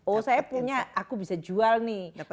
oh saya punya aku bisa jual nih